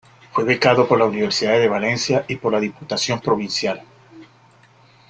Fue becado por la Universidad de Valencia y por la Diputación Provincial.